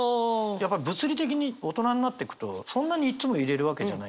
やっぱり物理的に大人になってくとそんなにいっつもいれるわけじゃない。